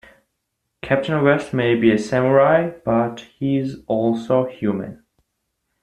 Captain West may be a Samurai, but he is also human.